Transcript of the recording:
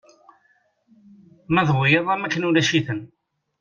Ma d wiyaḍ am wakken ulac-iten.